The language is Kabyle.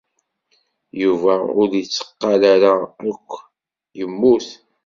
Yuba ur d-itteqqal ara akk. Immut.